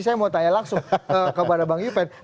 saya mau tanya langsung kepada bang yupen